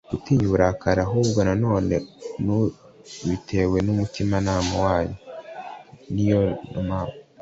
gutinya uburakari ahubwo nanone mubitewe n umutimanama wanyu u Iyo ni yo mpa